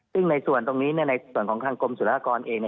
ซึ่งในส่วนตรงนี้ในส่วนของทางกรมศุลากรเอง